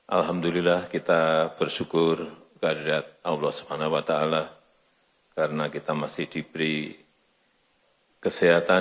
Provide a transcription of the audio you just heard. alhamdulillah kita bersyukur kehadirat allah swt karena kita masih diberi kesehatan